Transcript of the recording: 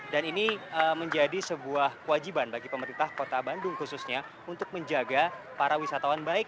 dan ini menjadi sebuah kewajiban bagi pemerintah kota bandung khususnya untuk menjaga para wisatawan baik